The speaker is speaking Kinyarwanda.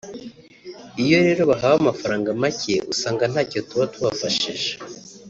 iyo rero bahawe amafaranga make usanga ntacyo tuba tubafashije